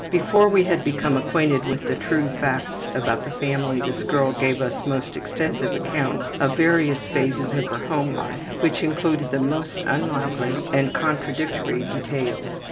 Before we had become acquainted with the true facts about the family this girl gave us most extensive accounts of various phases of her home life which included the most unlikely and contradictory details.